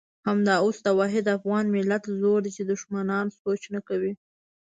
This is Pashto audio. همدا اوس د واحد افغان ملت زور دی چې دښمنان سوچ نه کوي.